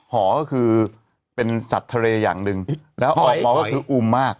หอก็คือเป็นสัตว์ทะเลอย่างหนึ่งแล้วออกมาก็คืออุ่มมาก